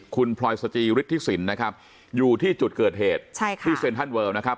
คุณพลอยสจิฤทธิสินนะครับอยู่ที่จุดเกิดเหตุใช่ค่ะที่เซ็นทรัลเวิลนะครับ